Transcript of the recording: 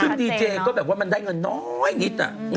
ซึ่งดีเจก็แบบว่ามันได้เงินน้อยนิด